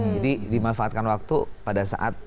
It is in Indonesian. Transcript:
dimanfaatkan waktu pada saat